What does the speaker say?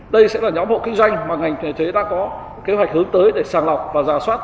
đây sẽ là nhóm hộ kinh doanh mà ngành thể chế đã có kế hoạch hướng tới để sàng lọc và giả soát